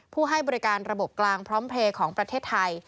ให้บริการระบบกลางพร้อมเพลย์ของประเทศไทย